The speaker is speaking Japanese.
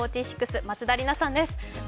４６、松田里奈さんです。